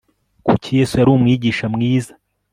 kuki yesu yari umwigisha mwiza